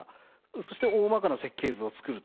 そしておおまかな設計図を作る時。